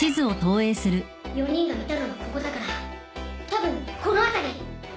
４人がいたのはここだからたぶんこの辺り。